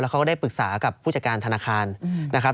เขาก็ได้ปรึกษากับผู้จัดการธนาคารนะครับ